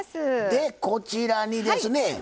でこちらにですねはい。